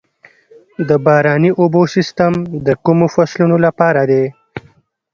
د باراني اوبو سیستم د کومو فصلونو لپاره دی؟